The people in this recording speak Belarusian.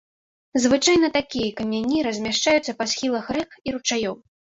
Звычайна такія камяні размяшчаюцца па схілах рэк і ручаёў.